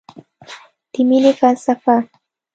د مینې فلسفه